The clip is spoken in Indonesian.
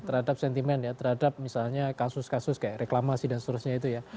terhadap sentimen ya terhadap misalnya kasus kasus kayak reklamasi dan seterusnya itu ya